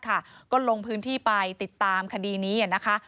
ก็ลงพื้นที่ไปติดตามคดีนี้นะคะ